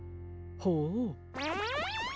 ほう！